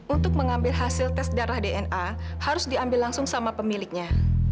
untuk mengambil hasil tes darah dna harus diambil langsung sama pemiliknya